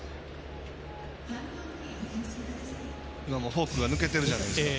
フォークが抜けてるじゃないですか。